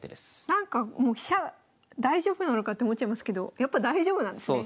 なんか飛車大丈夫なのかって思っちゃいますけどやっぱ大丈夫なんですね。